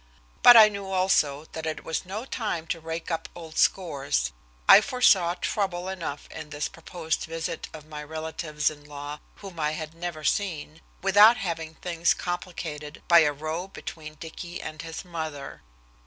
But I knew also that it was no time to rake up old scores. I foresaw trouble enough in this proposed visit of my relatives in law whom I had never seen, without having things complicated by a row between Dicky and his mother.